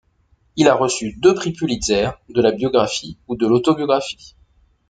Il a reçu deux prix Pulitzer de la biographie ou de l'autobiographie.